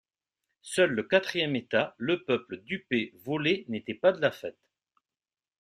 Seul, le quatrième état, le peuple, dupé, volé, n'était pas de la fête.